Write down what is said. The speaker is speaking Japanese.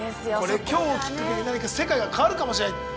これ今日をきっかけに何か世界が変わるかもしれない。